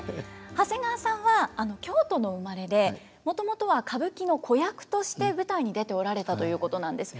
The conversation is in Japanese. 長谷川さんは京都のお生まれでもともとは歌舞伎の子役として舞台に出ておられたということなんです。